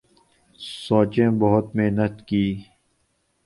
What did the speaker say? سوچیں بہت محنت کی